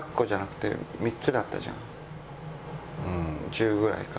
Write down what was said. １０ぐらいか。